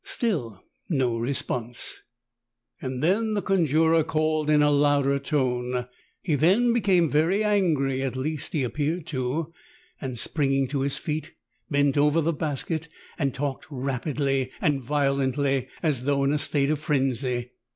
Still no response, and then the conjurer called in a louder tone. He then became very angry, at least he appeared to, and springing to his feet bent over the basket and talked rapidly and violently, as though in a state of frenzy.